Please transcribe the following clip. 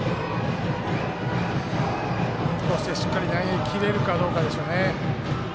インコースでしっかり投げきれるかですよね。